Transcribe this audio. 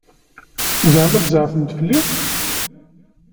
Ẓeɛma tzeɛfemt fell-i?